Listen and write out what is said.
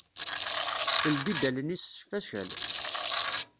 Teldi-d allen-is s faccal.